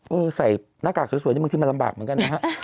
ใส่หน้ากากสวยนี่บางทีมันลำบากเหมือนกันนะฮะ